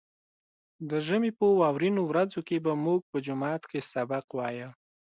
د ژمي په واورينو ورځو کې به موږ په جومات کې سبق وايه.